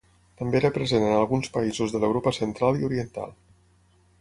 També era present en alguns països de l'Europa Central i Oriental.